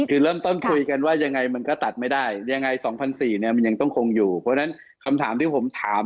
อืมนะครับ